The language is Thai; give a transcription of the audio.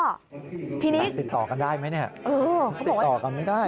ทีนี้ติดต่อกันได้ไหมเนี่ยติดต่อกันไม่ได้